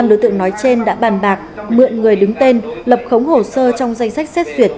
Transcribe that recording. năm đối tượng nói trên đã bàn bạc mượn người đứng tên lập khống hồ sơ trong danh sách xét xuyệt